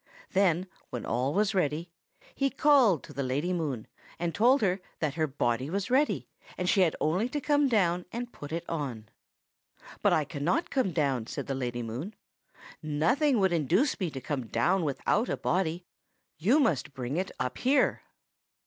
Then, when all was ready, he called to the Lady Moon, and told her that her body was ready, and that she had only to come down and put it on. "'But I cannot come down,' said the Lady Moon. 'Nothing would induce me to come down without a body. You must bring it up here.